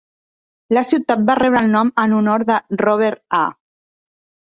La ciutat va rebre el nom en honor de Robert A.